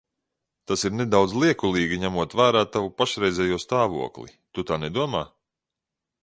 Tas ir nedaudz liekulīgi, ņemot vērā tavu pašreizējo stāvokli, tu tā nedomā?